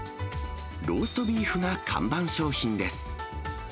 ローストビーフが看板商品です。